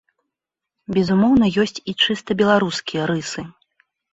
Безумоўна ёсць і чыста беларускія рысы.